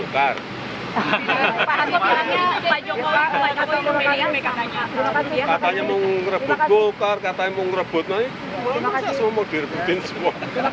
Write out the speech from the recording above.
katanya mau ngerebut golkar katanya mau ngerebut nanti semua mau direbutin semua